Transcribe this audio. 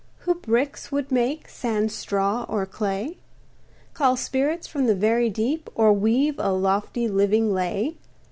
Who bricks would make, sans straw or clay? "Call spirits from the vasty deep," Or weave a lofty, living lay?